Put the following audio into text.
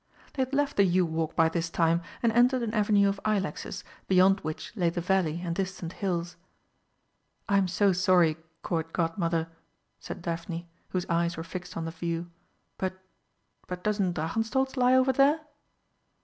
They had left the yew walk by this time and entered an avenue of ilexes, beyond which lay the valley and distant hills. "I'm so sorry, Court Godmother," said Daphne, whose eyes were fixed on the view, "but but doesn't Drachenstolz lie over there?"